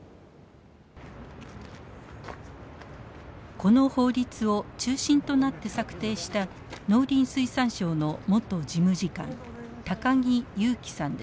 この法律を中心となって策定した農林水産省の元事務次官高木勇樹さんです。